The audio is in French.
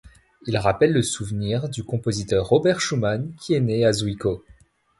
Il rappelle le souvenir du compositeur Robert Schumann, qui est né à Zwickau.